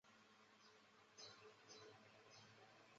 与邻近地区的奥兰多海盗为世仇。